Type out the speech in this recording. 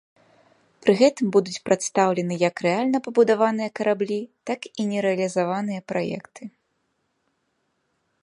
Пры гэтым будуць прадстаўлены як рэальна пабудаваныя караблі, так і нерэалізаваныя праекты.